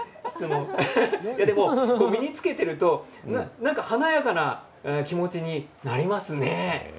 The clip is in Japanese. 身に着けていると華やかな気持ちになりますね。